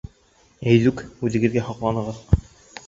Әйҙүк, үҙегеҙгә һоҡланығыҙ!